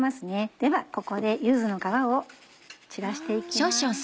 ではここで柚子の皮を散らして行きます。